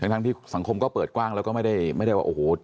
ทั้งที่สังคมก็เปิดกว้างแล้วก็ไม่ได้ว่าโอ้โห